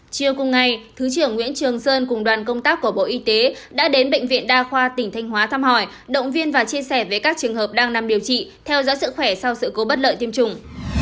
chiều cùng ngày thứ trưởng nguyễn trường sơn cùng đoàn công tác của bộ y tế đã đến bệnh viện đa khoa tỉnh thanh hóa thăm hỏi động viên và chia sẻ với các trường hợp đang nằm điều trị theo dõi sức khỏe sau sự cố bất lợi tiêm chủng